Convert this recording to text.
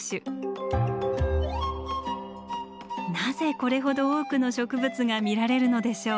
なぜこれほど多くの植物が見られるのでしょう？